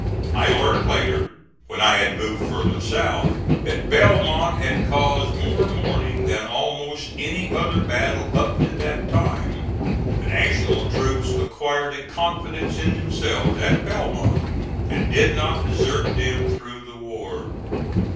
I learned later, when I had moved further south, that Belmont had caused more mourning than almost any other battle up to that time. The National troops acquired a confidence in themselves at Belmont that did not desert them through the war.